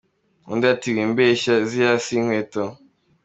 Undi ati “Wimbeshya, ziriya si inkweto.